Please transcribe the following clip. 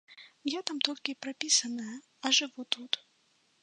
Я там толькі прапісаная, а жыву тут.